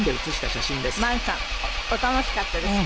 萬さんお楽しかったですか？